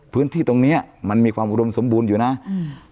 พื้นที่ตรงเนี้ยมันมีความอุดมสมบูรณ์อยู่น่ะอืม